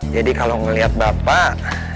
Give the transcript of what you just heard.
jadi kalau ngeliat bapak